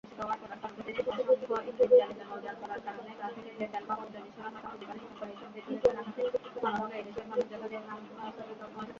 কিন্তু অনুষ্ঠানের কিছুক্ষণ আগে আকস্মিক হৃদ্রোগে আক্রান্ত হয়ে মারা যান তিনি।